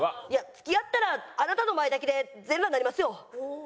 付き合ったらあなたの前だけで全裸になりますよ。